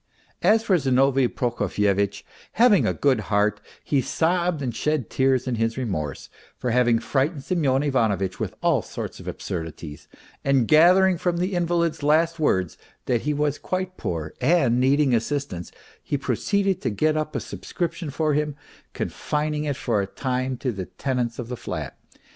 As for Zinovy Prokofyevitch, having a good heart, he sobbed and shed tears in his remorse, for having frightened Semyon Ivanovitch with all sorts of absurdities, and gathering from the invalid's last words that he was quite poor and needing assistance, he proceeded to get up a subscription for him, con fining it for a time to the tenants of the flat.